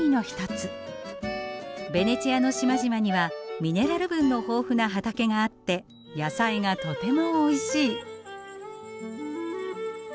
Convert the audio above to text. ベネチアの島々にはミネラル分の豊富な畑があって野菜がとてもおいしい。